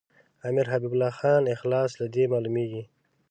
امیر حبیب الله خان اخلاص له دې معلومیږي.